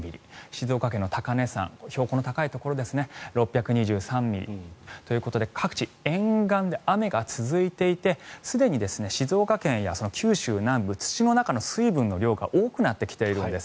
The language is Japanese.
静岡県の高根山標高の高いところで６２３ミリ。ということで各地沿岸で雨が続いていてすでに静岡県や九州南部土の中の水分の量が多くなってきているんです。